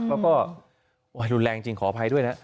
แล้วก็รุนแรงจริงขออภัยด้วยนะ